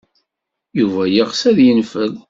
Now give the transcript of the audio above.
Yuba yeɣs ad yenfel.